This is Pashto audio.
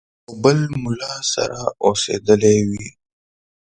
یو بل مُلا سره اوسېدلی وي.